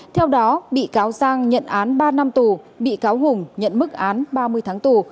theo đó bị cáo giang nhận án ba năm tù bị cáo hùng nhận mức án ba mươi tháng tù